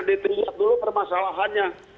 diteriak dulu permasalahannya